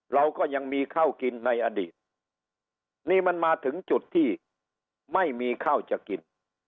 เราก็ยังมีข้าวกินในอดีตนี่มันมาถึงจุดที่ไม่มีข้าวจะกิน